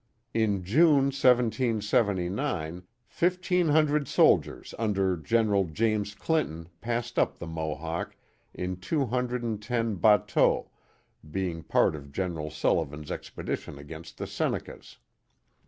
In June, 1779, fifteen hundred soldiers under General James Clinton passed up the Mohawk, in two hundred and ten bateaux^ being part of General Sullivan's ex pedition against the Senccas.